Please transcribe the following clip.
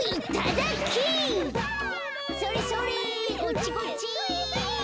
それそれこっちこっち。